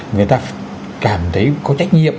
người ta cảm thấy có trách nhiệm